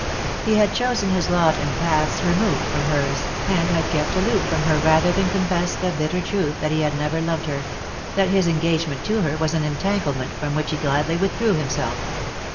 He had chosen his lot in paths removed from hers, and had kept aloof from her rather than confess the bitter truth that he had never loved her ; that his engagement to her was an entanglement from which he ejladly withdrew himself.